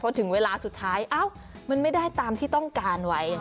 พอถึงเวลาสุดท้ายมันไม่ได้ตามที่ต้องการไว้